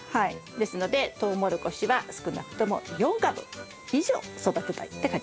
ですのでトウモロコシは少なくとも４株以上育てたいって感じですかね。